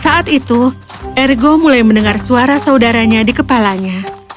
saat itu ergo mulai mendengar suara saudaranya di kepalanya